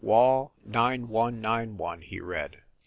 "Wall nine, one, nine, one," he read.